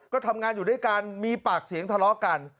ก็ทำงานอยู่ด้วยกันมีปากเสียงทะเลาะกัน